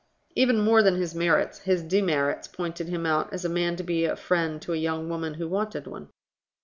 Even more than his merits, his demerits pointed him out as a man to be a friend to a young woman who wanted one.